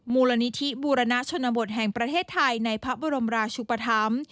มูลนิธิบูรณชนบทแห่งประเทศไทยในพระบรมราชุปธรรม